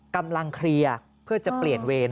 กำลังเคลียร์เพื่อจะเปลี่ยนเวร